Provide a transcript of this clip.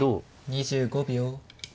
２５秒。